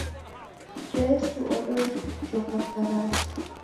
Jesu odojoka farasi.